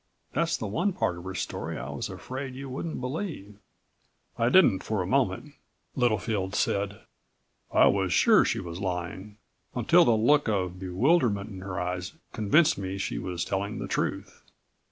That's the one part of her story I was afraid you wouldn't believe." "I didn't for a moment," Littlefield said. "I was sure she was lying ... until the look of bewilderment in her eyes convinced me she was telling the truth."